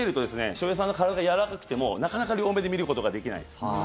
翔平さんの体がやわらかくてもなかなか両目で見ることができないです。